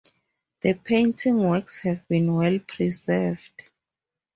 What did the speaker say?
The painting works have been well preserved.